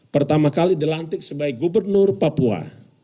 pertama kali dilantik sebagai gubernur papua